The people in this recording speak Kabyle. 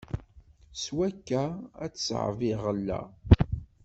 S wakka, ad tṣab lɣella.